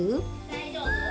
大丈夫。